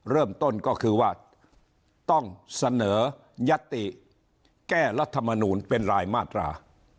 เริ่มต้นก็คือว่าต้องเสนอยัตติแก้รัฐมนูลเป็นรายมาตรา